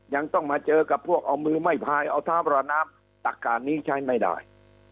ยังต้องมาเจอกับพวกเอามือไม่พายเอาเท้าประน้ำตักการนี้ใช้ไม่ได้